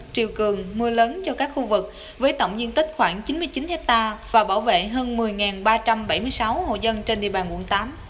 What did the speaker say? triều cường mưa lớn cho các khu vực với tổng diện tích khoảng chín mươi chín hectare và bảo vệ hơn một mươi ba trăm bảy mươi sáu hộ dân trên địa bàn quận tám